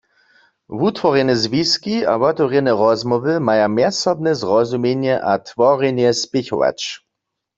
Wutworjene zwiski a wotewrjene rozmołwy maja mjezsobne zrozumjenje a tworjenje spěchować.